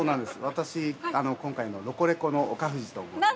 私、今回のロコレコの岡藤と申します。